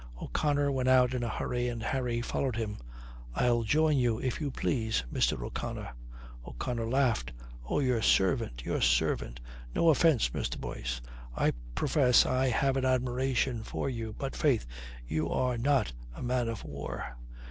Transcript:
O'Connor went out in a hurry and Harry followed him. "I'll join you, if you please, Mr. O'Connor." O'Connor laughed. "Oh, your servant, your servant. No offence, Mr. Boyce. I profess I have an admiration for you. But, faith, you are not a man of war.